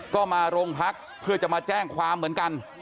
ก็มาโรงพักเพื่อจะมาแจ้งความเหมือนกัน